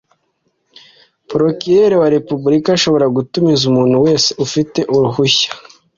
prokireri wa repubulika ashobora gutumiza umuntu wese ufite uruhushya